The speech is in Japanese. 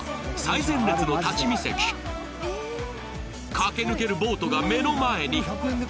駆け抜けるボートが目の前に。